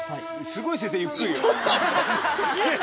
すごい先生ゆっくり。